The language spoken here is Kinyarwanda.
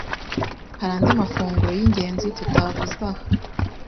Hari andi mafunguro y’ingenzi tutavuze aha